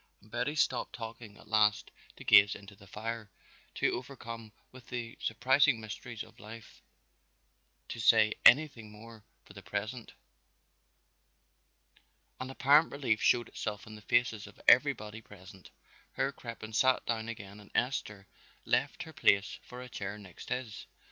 And Betty stopped talking at last to gaze into the fire, too overcome with the surprising mysteries of life to say anything more for the present. An apparent relief showed itself in the faces of everybody present. Herr Crippen sat down again and Esther left her place for a chair next his.